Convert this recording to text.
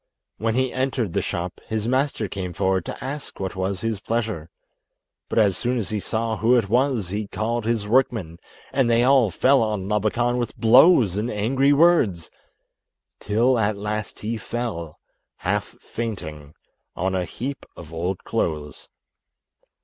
When he entered the shop, his master came forward to ask what was his pleasure, but as soon as he saw who it was he called his workmen, and they all fell on Labakan with blows and angry words, till at last he fell, half fainting, on a heap of old clothes.